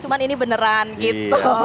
cuman ini beneran gitu